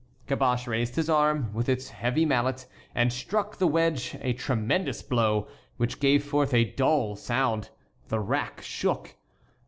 Caboche raised his arm, with its heavy mallet, and struck the wedge a tremendous blow, which gave forth a dull sound. The rack shook.